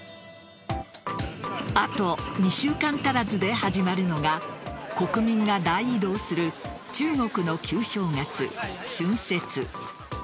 あと２週間足らずで始まるのが国民が大移動する中国の旧正月・春節。